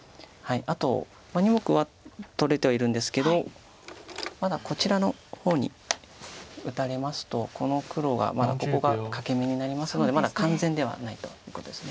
あと２目は取れてはいるんですけどこちらの方に打たれますとこの黒がまだここが欠け眼になりますのでまだ完全ではないということです。